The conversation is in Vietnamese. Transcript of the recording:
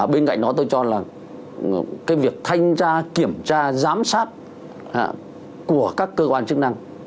bên cạnh đó tôi cho là việc thanh tra kiểm tra giám sát của các cơ quan chức năng